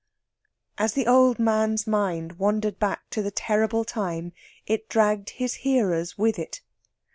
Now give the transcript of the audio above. As the old man's mind wandered back to the terrible time it dragged his hearer's with it.